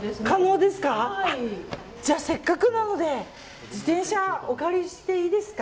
せっかくなので自転車お借りしていいですか？